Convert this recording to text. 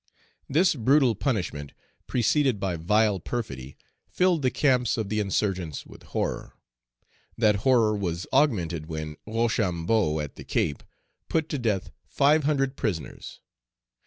This brutal punishment, preceded by vile perfidy, filled the camps of the insurgents with horror. That horror was augmented when Rochambeau, at the Cape, put to death five hundred Page 261 prisoners.